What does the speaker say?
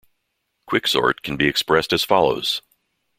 Quicksort can be expressed as follows.